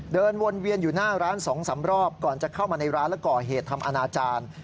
เดินวนเวียนอยู่หน้าร้าน๒๓รอบก่อนจะเข้ามาในร้านและก่อเหตุทำอนาจารย์